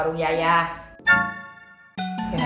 ya elahnya itu mah namanya nemuin